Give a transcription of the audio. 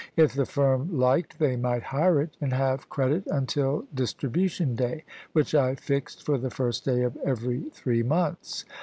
If the firm liked, they might hire it, and have credit until distribution day, which I fixed for the first day of every three months.